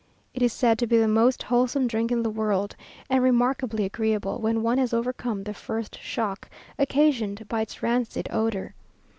It is said to be the most wholesome drink in the world, and remarkably agreeable when one has overcome the first shock occasioned by its rancid odour.